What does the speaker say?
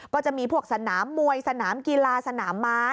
ก็จะมีพวกสนามมวยสนามกีฬาสนามม้า